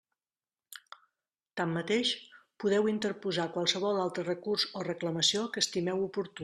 Tanmateix, podeu interposar qualsevol altre recurs o reclamació que estimeu oportú.